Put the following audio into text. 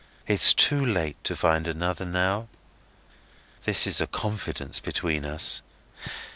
It's too late to find another now. This is a confidence between us."